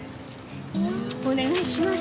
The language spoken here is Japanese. お願いします。